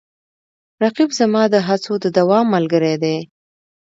رقیب زما د هڅو د دوام ملګری دی